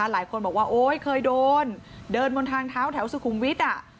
หลายคนบอกว่าโอ๊ยเคยโดนเดินบนทางเท้าแถวสุขุมวิทย์